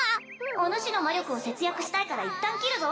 おぬしの魔力を節約したいからいったん切るぞ